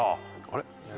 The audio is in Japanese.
あれ？